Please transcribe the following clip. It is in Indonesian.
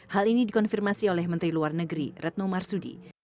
hal ini dikonfirmasi oleh menteri luar negeri retno marsudi